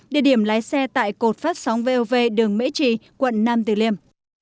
địa điểm lái xe tại cột phát sóng vov đường mỹ trì quận nam tử liêm